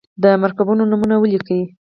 د مرکبونو نومونه ولیکئ.